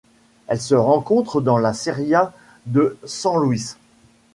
Elle se rencontre dans la Sierra de San Luís.